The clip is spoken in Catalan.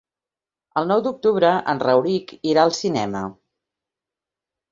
El nou d'octubre en Rauric irà al cinema.